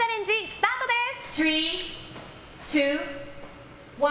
スタートです。